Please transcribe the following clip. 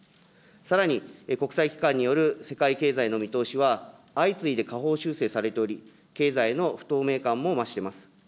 さらに、国際機関による世界経済の見通しは、相次いで下方修正されており、経済への不透明感も増してます。